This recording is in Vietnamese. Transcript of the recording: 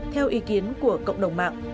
theo ý kiến của cộng đồng mạng